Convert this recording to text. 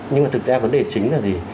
nhưng mà thực ra vấn đề chính là gì